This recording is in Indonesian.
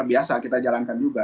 biasa kita jalankan juga